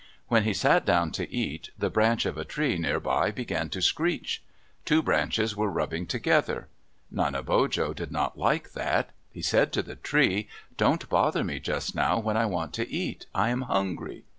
When he sat down to eat, the branch of a tree near by began to screech. Two branches were rubbing together. Nanebojo did not like that. He said to the tree, "Don't bother me just now when I want to eat, I am hungry!"